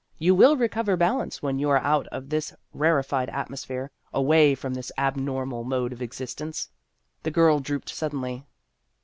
You will recover balance when you are out of this rarefied atmosphere away from this abnormal mode of existence." The girl drooped suddenly.